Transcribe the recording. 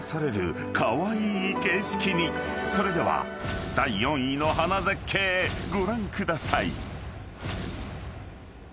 ［それでは第４位の花絶景ご覧ください］